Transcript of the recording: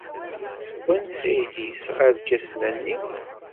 Seg wansi ay d-yesɣa irkasen-nni?